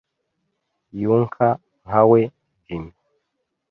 younker nkawe, Jim. ”